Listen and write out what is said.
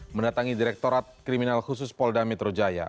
mendatangi direktorat kriminal khusus polda metro jaya